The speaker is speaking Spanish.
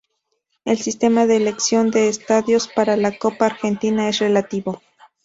El sistema de elección de estadios para la Copa Argentina es relativo.